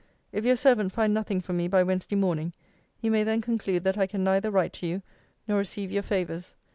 If your servant find nothing from me by Wednesday morning, you may then conclude that I can neither write to you, nor receive your favours.